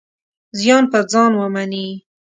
زیان پر ځان ومني.